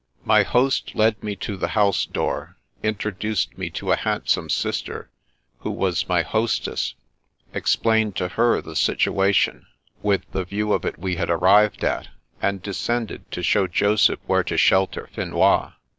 My host led me to the house door, introduced me to a handsome sister, who was my hostess, explained to her the situation, with the view of it we had arrived at, and descended to show Joseph where to shelter Finois.